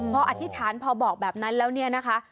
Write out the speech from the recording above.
พออธิษฐานพอบอกแบบนั้นแล้วเนี่ยนะคะ